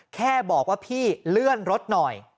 แค่บอกว่าพี่เลื่อนรถหน่อย